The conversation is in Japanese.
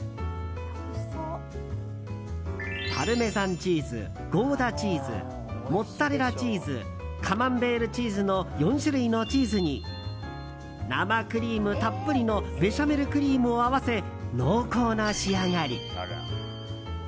パルメザンチーズ、ゴーダチーズモッツァレラチーズカマンベールチーズの４種類のチーズに生クリームたっぷりのベシャメルクリームを合わせ濃厚な仕上がり。